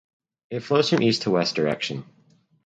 It flows from east to west direction.